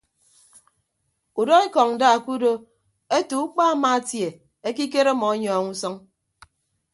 Udọ ekọñ nda ke udo ete ukpa amaatie ekikere ọmọ ọnyọọñ usʌñ.